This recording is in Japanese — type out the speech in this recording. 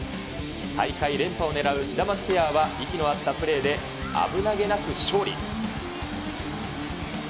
大会連覇を狙うシダマツペアは、息の合ったプレーで、危なげなく勝利。